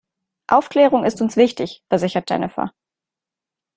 Aufklärung ist uns wichtig, versichert Jennifer.